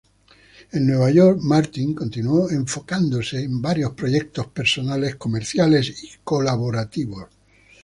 En Nueva York, Martin continuó enfocándose en varios proyectos personales, comerciales y colaborativos.